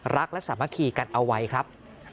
รักและสามัคคีกันเอาไว้ครับ